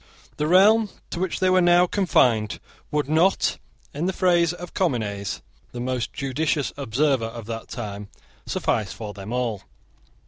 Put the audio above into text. The realm to which they were now confined would not, in the phrase of Comines, the most judicious observer of that time, suffice for them all.